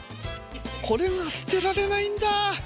これが捨てられないんだ。